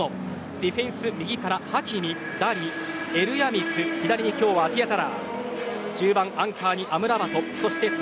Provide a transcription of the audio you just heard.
ディフェンス右からハキミダリ、エルヤミク左にアティヤタラー中盤、アムラバト。